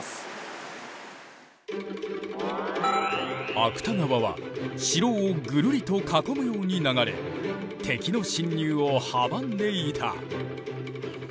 芥川は城をぐるりと囲むように流れ敵の侵入を阻んでいた。